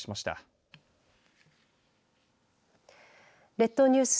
列島ニュース